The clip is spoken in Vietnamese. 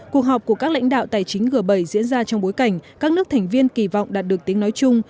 cuộc họp của các lãnh đạo tài chính g bảy diễn ra trong bối cảnh các nước thành viên kỳ vọng đạt được tiếng nói chung